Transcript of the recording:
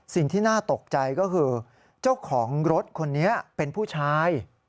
สิ่งที่น่าตกใจก็คือเจ้าของรถคนนี้เป็นผู้ชาย